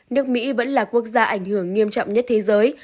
nước mỹ vẫn là quốc gia ảnh hưởng nghiêm trọng nhất thế giới